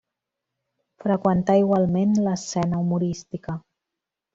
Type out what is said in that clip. Freqüentà igualment l'escena humorística.